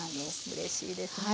うれしいですね。